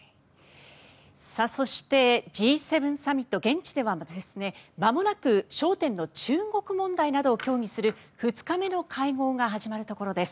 そして、Ｇ７サミット現地ではまもなく焦点の中国問題などを協議する２日目の会合が始まるところです。